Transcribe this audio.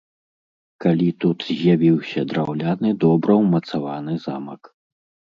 Калі тут з'явіўся драўляны добра ўмацаваны замак.